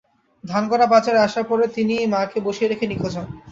ধানগড়া বাজারে আসার পরে তিনি মাকে বসিয়ে রেখে নিখোঁজ হন।